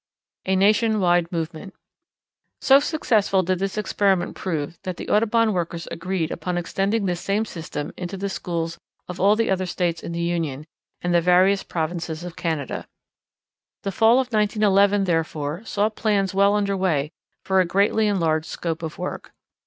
A Nation wide Movement. So successful did this experiment prove that the Audubon workers agreed upon extending this same system into the schools of all the other States in the Union, and the various Provinces of Canada. The fall of 1911, therefore, saw plans well under way for a greatly enlarged scope of work.